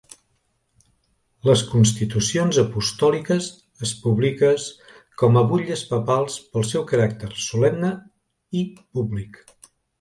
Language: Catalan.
Les Constitucions apostòliques es publiques com a butlles papals pel seu caràcter solemne i públic.